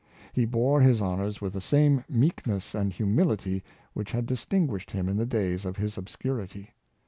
He bore liis honors with the same meekness and humility which had distinguished him in the days of his obscurity.